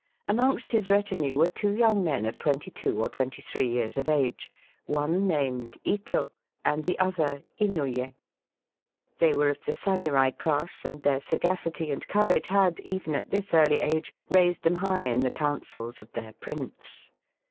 Amongst his retinue were two young men of twenty two or twenty three years of age, one named Ito and the other Inouy6. They were of the samurai class, and their sagacity and courage had, even at this early age, raised them high in the counsels of their prince.